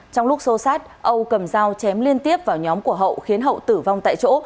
trong lúc xô xát âu cầm dao chém liên tiếp vào nhóm của hậu khiến hậu tử vong tại chỗ